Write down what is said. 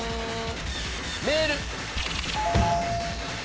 メール。